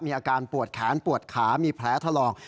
อาการปวดแขนปวดขามีแผลถลอก